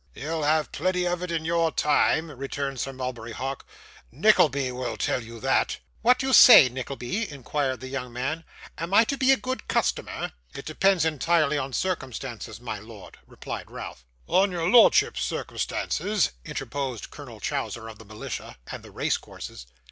'You'll have plenty of it, in your time,' returned Sir Mulberry Hawk; 'Nickleby will tell you that.' 'What do you say, Nickleby?' inquired the young man; 'am I to be a good customer?' 'It depends entirely on circumstances, my lord,' replied Ralph. 'On your lordship's circumstances,' interposed Colonel Chowser of the Militia and the race courses.